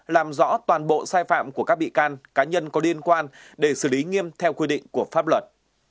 làm rõ toàn bộ sai phạm của các bị can cá nhân có liên quan để xử lý nghiêm theo quy định của pháp luật